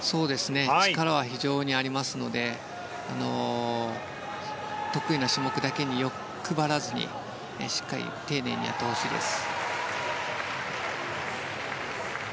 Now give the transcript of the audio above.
力は非常にありますので得意な種目だけに欲張らずにしっかり丁寧にやってほしいです。